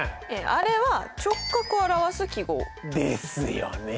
あれは直角を表す記号。ですよね。